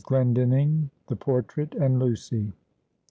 GLENDINNING: THE PORTRAIT: AND LUCY.